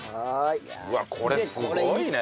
うわこれすごいね！